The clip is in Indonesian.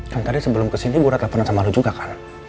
kan tadi sebelum kesini gue telponan sama lu juga kan